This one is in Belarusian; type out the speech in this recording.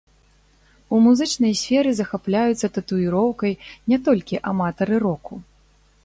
У музычнай сферы захапляюцца татуіроўкай не толькі аматары року.